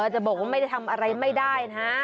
จะบอกว่าไม่ได้ทำอะไรไม่ได้นะ